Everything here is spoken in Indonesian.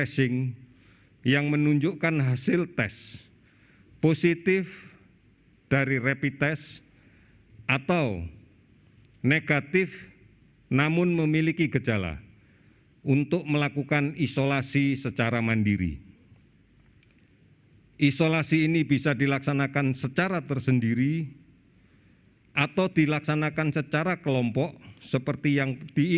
selanjutnya kebijakan yang ketiga adalah mengedukasi dan menyiapkan secara mandiri